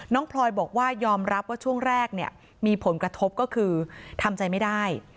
พลอยบอกว่ายอมรับว่าช่วงแรกเนี่ยมีผลกระทบก็คือทำใจไม่ได้